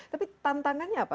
tapi tantangannya apa